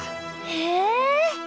へえ。